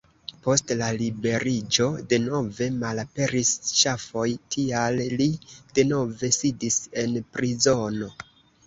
Post la liberiĝo denove malaperis ŝafoj, tial li denove sidis en prizono.